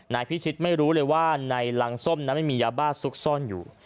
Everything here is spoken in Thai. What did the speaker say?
นายพิชิตไม่รู้เลยว่าในรังส้มนั้นไม่มียาบ้าซุกซ่อนอยู่